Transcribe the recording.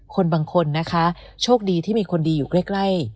คนบางคนนะคะโชคดีที่มีคนดีอยู่ใกล้